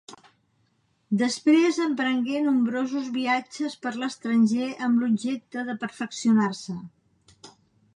Després emprengué nombrosos viatges per l'estranger amb l'objecte de perfeccionar-se.